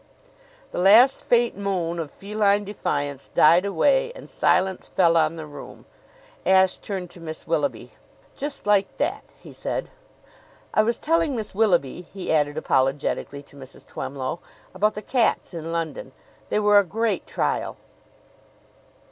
The last faint moan of feline defiance died away and silence fell on the room. Ashe turned to Miss Willoughby. "Just like that!" he said. "I was telling Miss Willoughby," he added apologetically to Mrs. Twemlow, "about the cats in London. They were a great trial."